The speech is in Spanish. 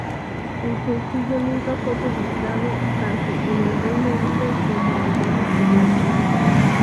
El sencillo nunca fue publicado tanto en el Reino Unido, como a nivel internacional.